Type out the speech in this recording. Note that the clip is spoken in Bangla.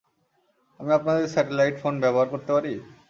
আমি আপনাদের স্যাটেলাইট ফোন ব্যবহার করতে পারি?